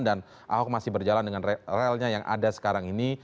ahok masih berjalan dengan relnya yang ada sekarang ini